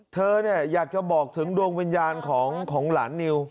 เธอเนี่ยอยากจะบอกถึงดวงวิญญาณของหลานนิว